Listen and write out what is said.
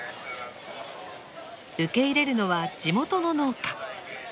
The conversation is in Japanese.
受け入れるのは地元の農家。